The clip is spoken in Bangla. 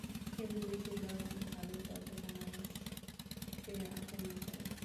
কিন্তু বেশির ভাগ ভালুক অযথা মানুষকে আক্রমণ করে।